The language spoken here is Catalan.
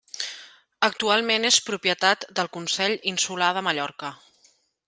Actualment és propietat del Consell Insular de Mallorca.